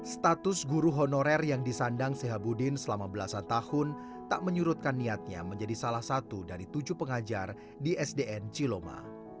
status guru honorer yang disandang sehabudin selama belasan tahun tak menyurutkan niatnya menjadi salah satu dari tujuh pengajar di sdn ciloma